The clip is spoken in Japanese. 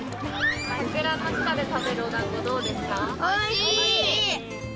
桜の下で食べるおだんごどうおいしい！